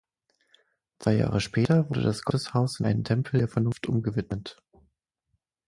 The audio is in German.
Zwei Jahre später wurde das Gotteshaus in einen Tempel der Vernunft umgewidmet.